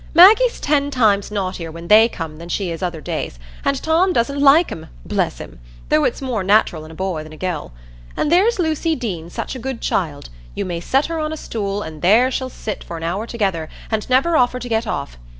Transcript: Maggie's ten times naughtier when they come than she is other days, and Tom doesn't like 'em, bless him!—though it's more nat'ral in a boy than a gell. And there's Lucy Deane's such a good child,—you may set her on a stool, and there she'll sit for an hour together, and never offer to get off.